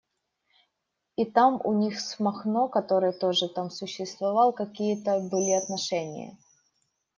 И там у них с Махно, который тоже там существовал, какие-то были отношения.